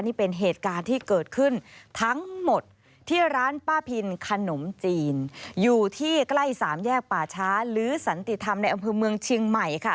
นี่เป็นเหตุการณ์ที่เกิดขึ้นทั้งหมดที่ร้านป้าพินขนมจีนอยู่ที่ใกล้สามแยกป่าช้าหรือสันติธรรมในอำเภอเมืองเชียงใหม่ค่ะ